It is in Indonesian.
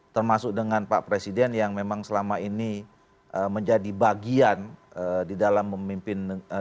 termasuk dengan pak presiden yang memang selama ini menjadi bagian di dalam memimpin